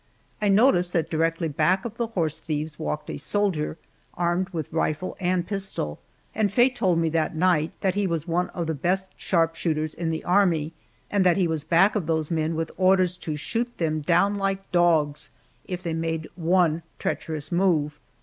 I noticed that directly back of the horse thieves walked a soldier, armed with rifle and pistol, and Faye told me that night that he was one of the best sharpshooters in the Army, and that he was back of those men with orders to shoot them down like dogs if they made one treacherous move.